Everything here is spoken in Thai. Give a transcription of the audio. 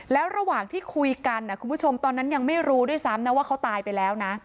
แล้วระหว่างที่คุยกันคุณผู้ชมตอนนั้นยังไม่รู้ด้วยซ้ำนะว่าเขาตายไปแล้วนะ